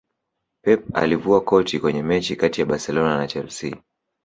pep alivua koti Kwenye mechi kati ya barcelona na chelsea